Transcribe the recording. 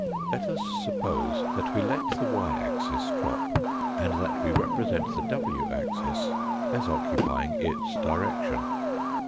B B Let us suppose that we let the y axis drop, and that we represent the w axis as occupy ing its direction.